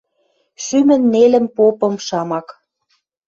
Шӱмӹн нелӹм попым шамак